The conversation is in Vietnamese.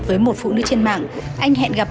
với một phụ nữ trên mạng anh hẹn gặp